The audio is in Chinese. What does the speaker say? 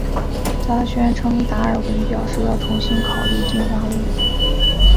她宣称达尔文表示要重新考虑进化论。